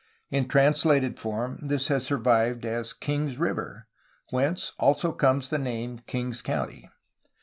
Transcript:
In translated form this has survived as "Kings River," whence also comes the name Kings County.